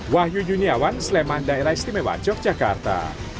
wahyu juniawan sleman daerah istimewa yogyakarta